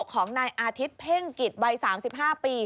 ของนายอาทิตย์เพ่งกิจวัย๓๕ปี